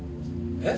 え？